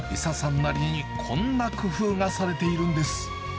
なりにこんな工夫がされているんです。